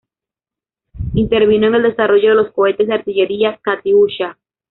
Intervino en el desarrollo de los cohetes de artillería Katyusha.